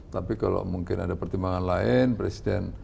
tapi kalau mungkin ada pertimbangan lain presiden